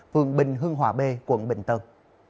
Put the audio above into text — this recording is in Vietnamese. phường bình hưng hòa b quận bình tân